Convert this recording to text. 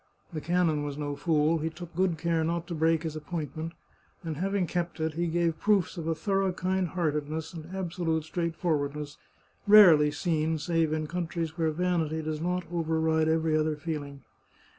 The canon was no fool ; he took good care not to break his appointment, and having kept it, he gave proofs of a thorough kind heartedness and absolute straightforward ness rarely seen save in countries where vanity does not override every other feeling.